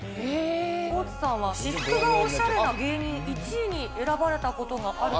大津さんは、私服がおしゃれな芸人１位に選ばれたことがあると。